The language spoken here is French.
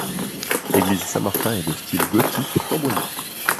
L’église Saint-Martin est de style gothique flamboyant.